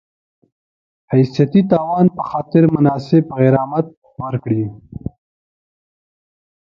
حیثیتي تاوان په خاطر مناسب غرامت ورکړي